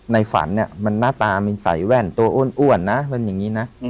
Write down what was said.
ในฝันน่าตามีใสแว่นตัวอ้วนนะ